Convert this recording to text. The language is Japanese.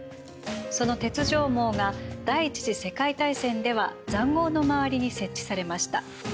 その鉄条網が第一次世界大戦では塹壕の周りに設置されました。